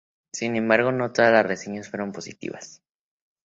Sin embargo, no todas las reseñas fueron positivas.